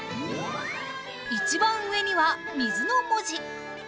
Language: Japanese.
一番上には「水」の文字